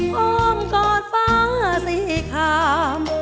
อมกอดฟ้าสีขาม